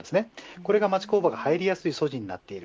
これが町工場が入りやすい素地になっている